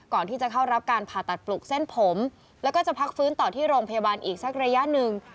ก่อนที่จะเข้ารับการผ่าตัดปลุกเส้นผมแล้วก็จะพักฟื้นต่อที่โรงพยาบาลอีกสักระยะหนึ่ง